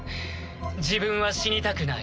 自分は死にたくない。